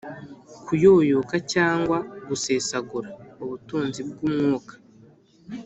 Kuyoyoka cyangwa gusesagura ubutunzi bw'Umwuka,